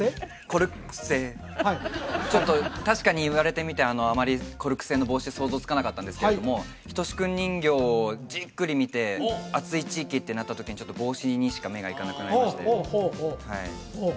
コルク製ちょっと確かに言われてみてあまりコルク製の帽子で想像つかなかったんですけれどもヒトシ君人形をじっくり見て暑い地域ってなった時にちょっと帽子にしか目が行かなくなりましてほうほうほう